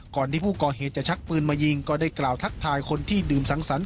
ก่อนที่ผู้ก่อเหตุจะชักปืนมายิงก็ได้กล่าวทักทายคนที่ดื่มสังสรรค